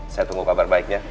saya tunggu kabar baiknya